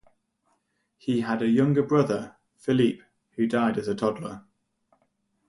He had a younger brother, Philippe, who died as a toddler.